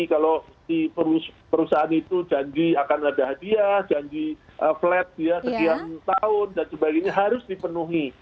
kalau si perusahaan itu janji akan ada hadiah janji flat sekian tahun dan sebagainya harus dipenuhi